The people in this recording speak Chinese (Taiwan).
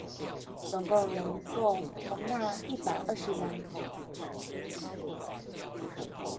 總共能夠容納一百二十人